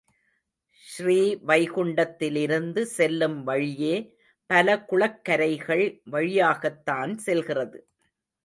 ஸ்ரீவைகுண்டத்திலிருந்து செல்லும் வழியே பல குளக்கரைகள் வழியாகத்தான் செல்கிறது.